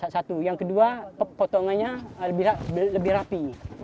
satu yang kedua potongannya lebih rapi